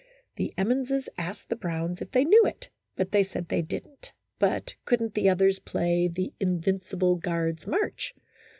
The Emmonses asked the Browns if they knew it, but they said they did n't, but could n't the others play " The Invincible Guards' March